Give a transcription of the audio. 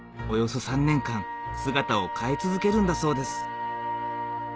およそ３年間姿を変え続けるんだそうです